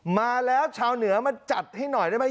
มาแล้วชาวเหนือมาจัดให้หน่อยได้ไหม